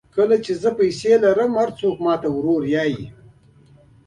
کله چې زه پیسې ولرم هر څوک ماته ورور وایي.